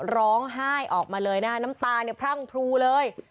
ร้องไห้ออกมาเลยนะคะน้ำตาเนี่ยพรั่งพรูเลย